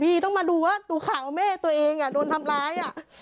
พี่ต้องมาดูว่าดูข่าวแม่ตัวเองอ่ะโดนทำร้ายอ่ะ